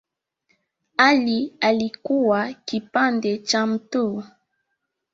Ali alikuwa kipande cha mtu